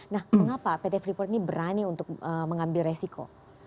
nah mengapa pt freeport ini berani untuk mengambil resiko